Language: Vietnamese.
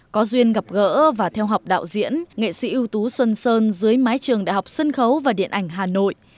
có duyên gặp gỡ và theo học đạo diễn nghệ sĩ ưu tú xuân sơn dưới mái trường đại học sân khấu và điện ảnh hà nội